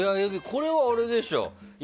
これはあれでしょ。